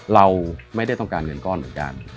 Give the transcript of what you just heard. เราไม่ได้ต้องการเงินก้อนเหมือนกัน